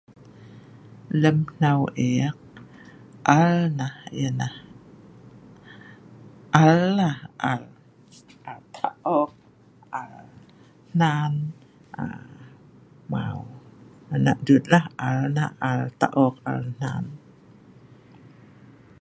Lem hnau eek al nah ya'nah al lah al. Al taok al hnan UM mau al taok al hnan.